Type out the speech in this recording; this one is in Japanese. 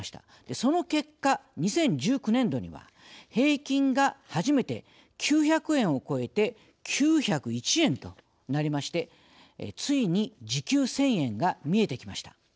その結果２０１９年度には平均が初めて９００円を超えて９０１円となりましてついに時給１，０００円が見えてきました。